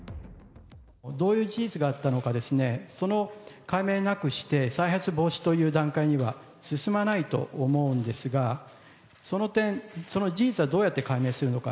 どういう事実があったのかですね、その解明なくして、再発防止という段階には進まないと思うんですが、その点、その事実はどうやって解明するのか。